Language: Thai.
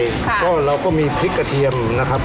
ยังไม่พอใจเราก็มีพริกกระเทียมนะครับ